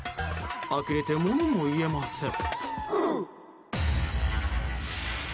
あきれて、ものも言えません。